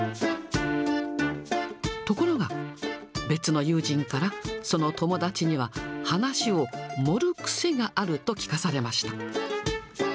ところが、別の友人からその友達には話を盛る癖があると聞かされました。